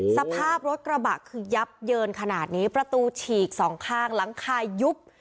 สภาพรถกระบะคือยับเยินขนาดนี้ประตูฉีกสองข้างหลังคายุบ